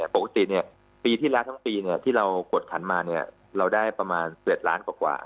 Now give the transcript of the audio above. ปกติปีที่แล้วทั้งปีที่เรากดขันมาเราได้ประมาณ๗ล้านกว่า